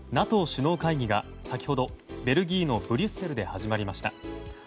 ＮＡＴＯ首脳会議が先ほどベルギーのブリュッセルで始まりました。